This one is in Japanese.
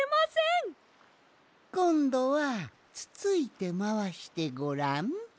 こんどはつついてまわしてごらん。